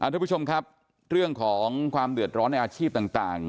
ทุกผู้ชมครับเรื่องของความเดือดร้อนในอาชีพต่าง